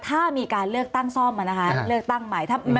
ถ้ามีการเลือกตั้งซ่อมเลือกตั้งใหม่